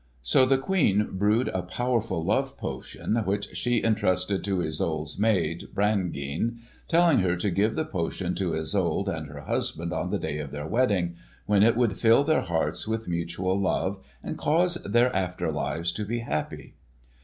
So the Queen brewed a powerful love potion which she entrusted to Isolde's maid, Brangeane, telling her to give the potion to Isolde and her husband on the day of their wedding, when it would fill their hearts with mutual love and cause their after lives to be happy.